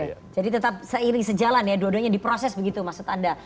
oke jadi tetap seiring sejalan ya dua duanya diproses begitu maksud anda